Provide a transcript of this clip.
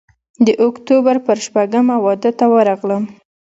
د اکتوبر پر شپږمه واده ته ورغلم.